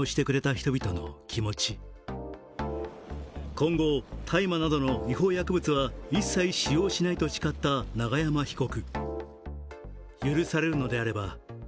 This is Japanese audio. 今後、大麻などの違法薬物は一切使用しないと誓った永山被告。